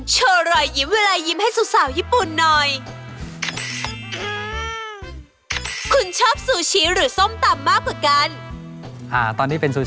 โชว์รอยยิ้มเวลายิ้มให้สาวญี่ปุ่นหน่อย